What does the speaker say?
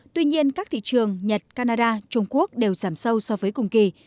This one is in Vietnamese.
tuy nhiên các thị trường nhật canada trung quốc đều giảm sâu so với cùng kỳ